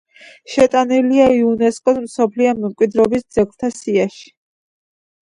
შეტანილია იუნესკოს მსოფლიო მემკვირეობის ძეგლთა სიაში.